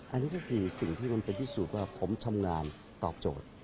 อันนี้ก็คือสิ่งที่มันเป็นพิสูจน์ว่าผมทำงานตอบโจทย์